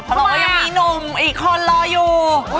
เพราะเราก็ยังมีหนุ่มอีกคนรออยู่